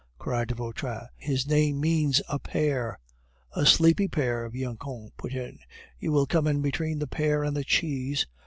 cried Vautrin; "his name means a pear " "A sleepy pear!" Bianchon put in. "You will come in between the pear and the cheese."